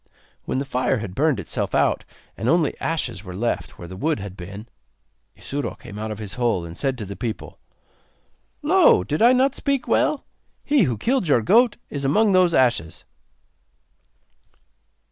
When the fire had burned itself out and only ashes were left where the wood had been, Isuro came out of his hole, and said to the people: 'Lo! did I not speak well? He who killed your goat is among those ashes.